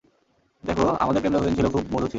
দেখ, আমাদের প্রেম যতদিন ছিল, খুব মধুর ছিল।